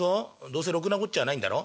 どうせろくなこっちゃないんだろ？」。